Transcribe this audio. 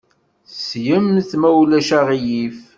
Slemt, ma ulac aɣilif.